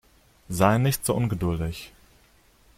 Sei nicht so ungeduldig.